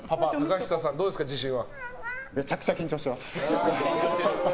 めちゃくちゃ緊張しています。